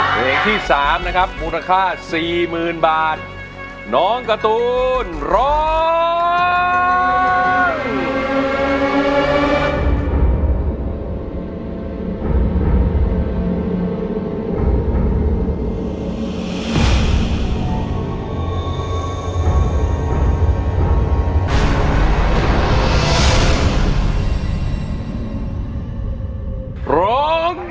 เพลงที่๓นะครับมูลค่าสี่หมื่นบาทน้องการ์ตูนร้อง